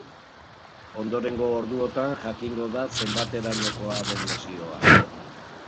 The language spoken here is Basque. Ondorengo orduotan jakingo da zenbaterainokoa den lesioa.